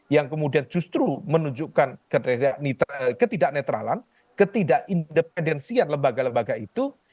yang kemudian justru menunjukkan ketidak netralan ketidakindependensian lembaga lembaga itu